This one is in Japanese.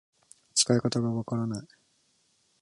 使い方がわからない